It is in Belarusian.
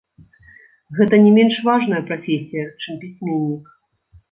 Гэта не менш важная прафесія, чым пісьменнік.